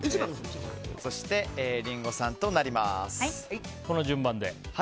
そしてリンゴさんとなります。